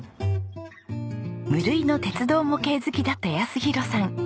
無類の鉄道模型好きだった泰弘さん。